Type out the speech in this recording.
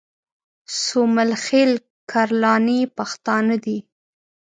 سومل خېل کرلاني پښتانه دي